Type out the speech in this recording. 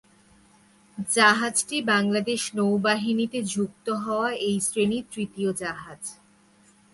জাহাজটি বাংলাদেশ নৌবাহিনীতে যুক্ত হওয়া এই শ্রেণির তৃতীয় জাহাজ।